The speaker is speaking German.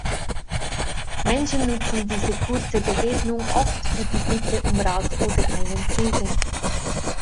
Menschen nutzten diese kurze Begegnung oft für die Bitte um Rat oder einen Segen.